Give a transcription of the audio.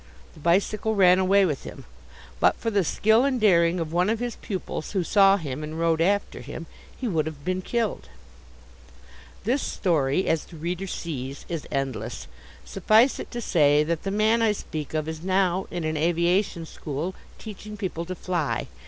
The bicycle ran away with him. But for the skill and daring of one of his pupils, who saw him and rode after him, he would have been killed. This story, as the reader sees, is endless. Suffice it to say that the man I speak of is now in an aviation school teaching people to fly.